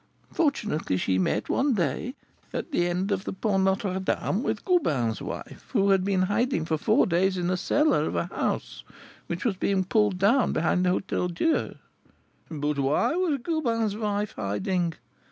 Fortunately, she met one day, at the end of the Pont Notre Dame, with Goubin's wife, who had been hiding for four days in a cellar of a house which was being pulled down behind the Hôtel Dieu " "But why was Goubin's wife hiding?"